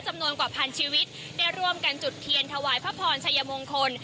จำนวนกว่าพันชีวิตได้ร่วมกันจุดเทียนถวายพระพรชัยมงคล